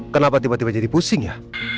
kenapa tiba tiba jadi pusing ya